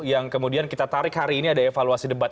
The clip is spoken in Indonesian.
yang kemudian kita tarik hari ini ada evaluasi debat